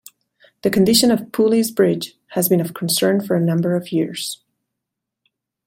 The condition of Pooley's Bridge has been of concern for a number of years.